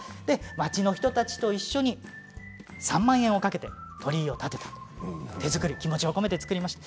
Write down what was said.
町の人たちと一緒に３万円をかけて鳥居を建てて気持ちを込めて作りました。